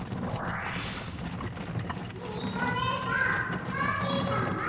ミミコねえさんマーキーさんが。